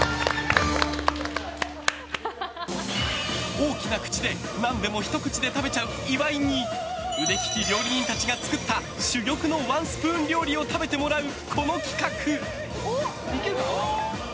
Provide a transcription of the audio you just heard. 大きな口で何でもひと口で食べちゃう岩井に腕利き料理人たちが作った珠玉のワンスプーン料理を食べてもらうこの企画。